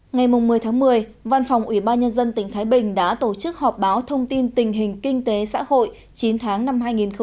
ngày một mươi tháng một mươi văn phòng ủy ban nhân dân tỉnh thái bình đã tổ chức họp báo thông tin tình hình kinh tế xã hội chín tháng năm hai nghìn một mươi chín